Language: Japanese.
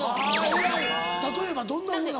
偉い例えばどんなふうな？